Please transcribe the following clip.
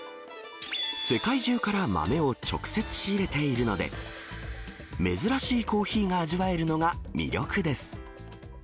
世界中から豆を直接仕入れているので、珍しいコーヒーが味わえるのが魅力です。